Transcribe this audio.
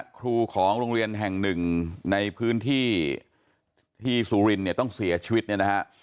ครูของโรงเรียนแห่งหนึ่งในพื้นที่ที่สุรินเนี่ยต้องเสียชีวิตเนี่ยนะฮะ